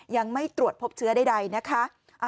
ยังไม่ตรวจพบเชื้อใดนะคะ